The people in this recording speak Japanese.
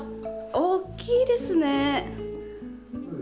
大きいですね。